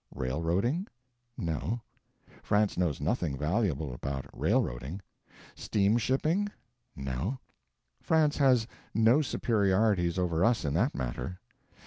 Railroading? No. France knows nothing valuable about railroading. Steamshipping? No. France has no superiorities over us in that matter.